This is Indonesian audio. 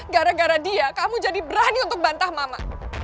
gara gara dia kamu jadi berani untuk bantah mama